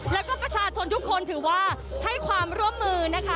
แล้วก็ประชาชนทุกคนถือว่าให้ความร่วมมือนะคะ